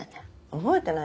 覚えてない？